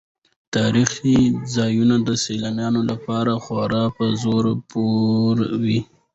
تاریخي ځایونه د سیلانیانو لپاره خورا په زړه پورې وي.